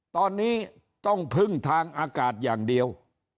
ตอนนี้ต้องพึ่งทางอากาศอย่างเดียว